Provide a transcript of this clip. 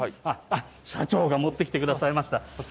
あっ、社長が持ってきてくださいました。